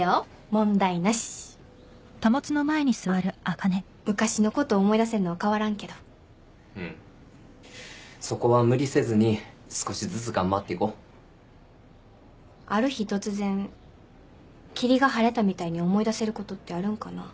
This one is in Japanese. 問題なしまあ昔のこと思い出せんのは変わらんけどうんそこは無理せずに少しずつ頑張っていこうある日突然霧が晴れたみたいに思い出せることってあるんかな？